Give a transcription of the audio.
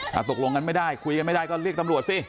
ถ้าตกลงกันไม่ได้คุยกันไม่ได้ก็เรียกตำรวจสิ